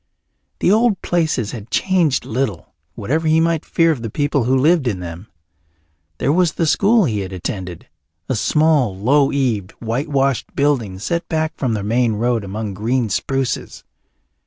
The old places had changed little, whatever he might fear of the people who lived in them. There was the school he had attended, a small, low eaved, white washed building set back from the main road among green spruces.